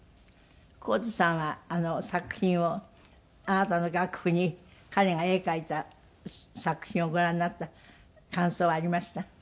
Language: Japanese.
神津さんはあの作品をあなたの楽譜に彼が絵を描いた作品をご覧になった感想はありました？